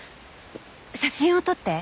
写真を撮って。